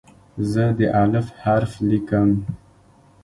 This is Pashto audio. زه د "الف" حرف لیکم.